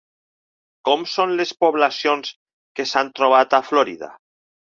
Com són les poblacions que s'han trobat a Florida?